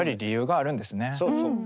そうそう。